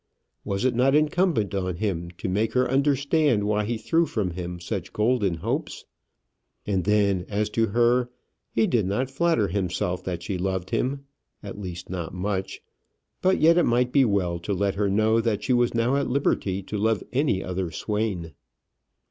Was it not incumbent on him to make her understand why he threw from him such golden hopes? And then, as to her, he did not flatter himself that she loved him at least, not much; but yet it might be well to let her know that she was now at liberty to love any other swain.